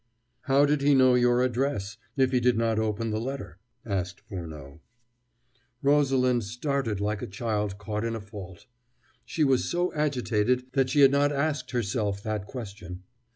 "How did he know your address, if he did not open the letter?" asked Furneaux. Rosalind started like a child caught in a fault. She was so agitated that she had not asked herself that question.